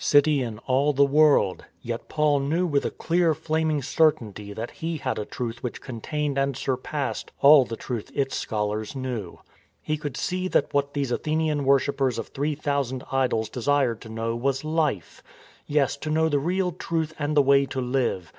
THE SCORN OF ATHENS 217 city in all the world: yet Paul knew with a clear flaming certainty that he had a Truth which contained and surpassed all the truth its scholars knew. He could see that what these Athenian worshippers of three thousand idols desired to know was Life — yes, to know the real truth and the way to live.